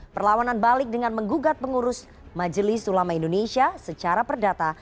perlawanan balik dengan menggugat pengurus majelis ulama indonesia secara perdata